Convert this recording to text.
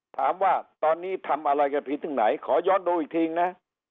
ถามว่าตอนนี้ทำอะไรกันไปถึงไหนขอย้อนดูอีกทีนะ